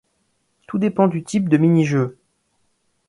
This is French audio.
Tout dépend du type de mini-jeu.